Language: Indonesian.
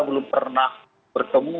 belum pernah bertemu